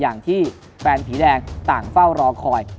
อย่างที่แฟนผีแดงต่างเฝ้ารอคอย